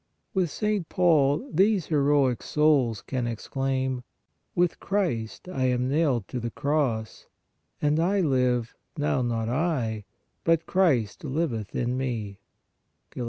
With St. Paul these heroic souls can EPILOGUE 207 exclaim :" With Christ I am nailed to the cross, and I live, now not I, but Christ liveth in me" (Gal.